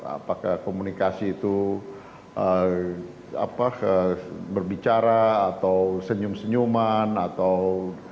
apakah komunikasi itu berbicara atau senyum senyuman atau